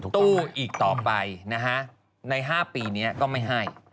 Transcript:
ตู้อีกต่อไปนะฮะใน๕ปีนี้ก็ไม่ให้